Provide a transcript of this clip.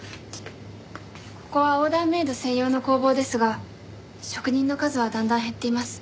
ここはオーダーメイド専用の工房ですが職人の数はだんだん減っています。